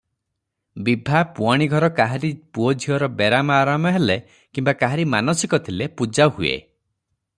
ବିଭା, ପୁହାଣିଘର କାହାରି ପୁଅଝିଅର ବେରାମ ଆରାମ ହେଲେ କିମ୍ବା କାହାରି ମାନସିକ ଥିଲେ ପୂଜା ହୁଏ ।